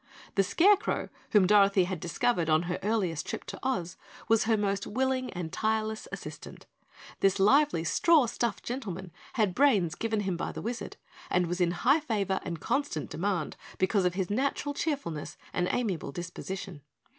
The Scarecrow, whom Dorothy had discovered on her earliest trip to Oz, was her most willing and tireless assistant. This lively straw stuffed gentleman had brains given him by the Wizard and was in high favor and constant demand because of his natural cheerfulness and amiable disposition.